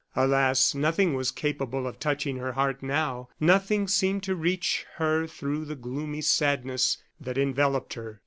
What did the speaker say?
Alas! nothing was capable of touching her heart now; nothing seemed to reach her through the gloomy sadness that enveloped her.